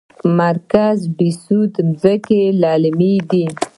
مرکز بهسود ځمکې للمي دي؟